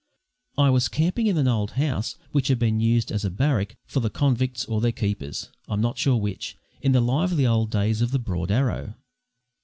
I was camping in an old house which had been used as a barrack for the convicts or their keepers (I'm not sure which) in the lively old days of the broad arrow.